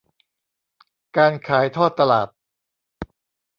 การขายทอดตลาด